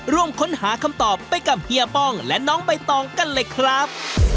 ร่วมค้นหาคำตอบไปกับเฮียป้องและน้องใบตองกันเลยครับ